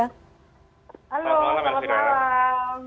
halo selamat malam